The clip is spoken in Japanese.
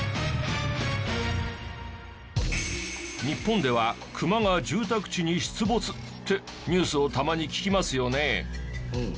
日本ではクマが住宅地に出没！ってニュースをたまに聞きますよね。